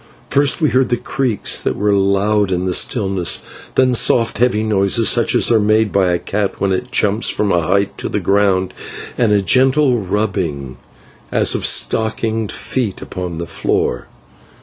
First we heard creaks that were loud in the stillness, then soft heavy noises such as are made by a cat when it jumps from a height to the ground, and a gentle rubbing as of stockinged feet upon the floor.